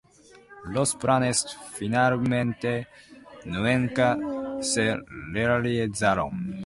Los planes finalmente nunca se realizaron.